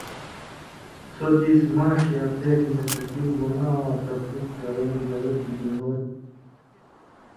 سو دیس ماݜ یا پېریۡ نہ تسیں گُناں واں تپُوس کرَیں زرت نی ہو تھی۔